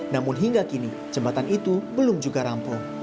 namun hingga kini jembatan itu belum juga rampung